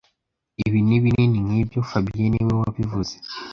Ibi ni binini nkibyo fabien niwe wabivuze